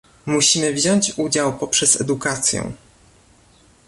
Musimy wziąć udział poprzez edukację